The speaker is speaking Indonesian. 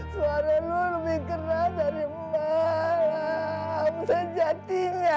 suara lu lebih keras dari malam sejatinya